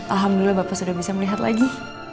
alhamdulillah bapak sudah bisa melihat lagi